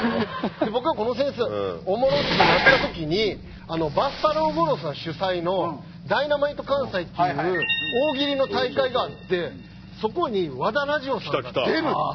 で僕はこの先生おもろってなった時にバッファロー吾郎さん主催の「ダイナマイト関西」っていう大喜利の大会があってそこに和田ラヂヲさんが出るって。